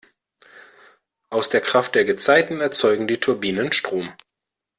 Aus der Kraft der Gezeiten erzeugen die Turbinen Strom.